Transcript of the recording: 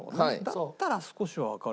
だったら少しはわかる。